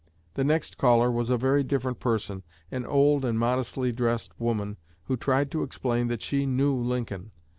The next caller was a very different person an old and modestly dressed woman who tried to explain that she knew Lincoln.